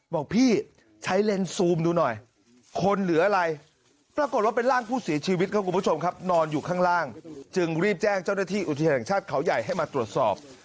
บอกพี่ใช้เลนส์ซูมดูหน่อยคนเหลืออะไรปรากฏว่าเป็นร่างผู้เสียชีวิตครับคุณผู้ชมครับนอนอยู่ข้างล่างจึงรีบแจ้งเจ้าหน้าที่อุทยานแห่งชาติเขาใหญ่ให้มาตรวจสอบ